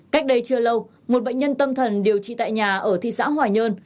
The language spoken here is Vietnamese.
cách đây chưa lâu một bệnh nhân tâm thần điều trị tại nhà ở thị xã hòa nhơn